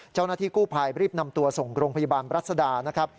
เจ้าหน้าที่กู้ภัยรีบนำตัวส่งโรงพยาบาลรัศดานะครับ